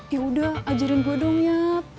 yaudah ajarin gue dong ya